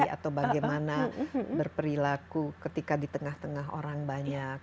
atau bagaimana berperilaku ketika di tengah tengah orang banyak